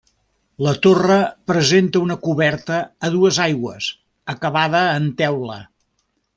La torre presenta una coberta a dues aigües acabada en teula.